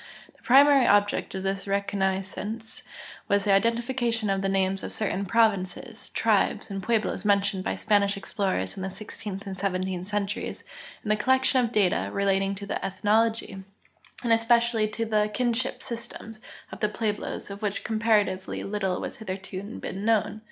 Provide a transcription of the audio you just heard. The primary object of this reconnoissance was the identification of the namea of certain " jwovinces," tribes, and pueblos mentioned by Spanish explorers in the sixteenth and seventeenth centuries and the col lection of data relating to the ethnology, and especially to the kinship systems, of the Pueblos, of which comparatively little has hitherto been known.